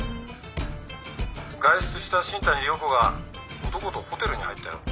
外出した新谷涼子が男とホテルに入ったよ。